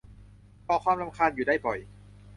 ก่อความรำคาญอยู่ได้บ่อย